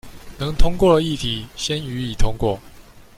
能通過的議題先予以通過